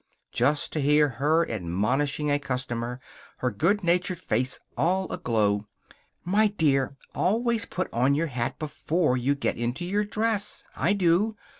Just to hear her admonishing a customer, her good natured face all aglow: "My dear, always put on your hat before you get into your dress. I do.